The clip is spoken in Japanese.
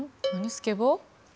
スケボー？